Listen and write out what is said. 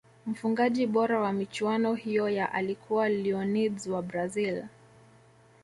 mfungaji bora wa michuano hiyo ya alikuwa leonids wa Brazil